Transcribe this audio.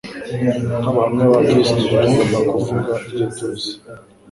Nk'abahamya ba Kristo, tugomba kuvuga ibyo tuzi,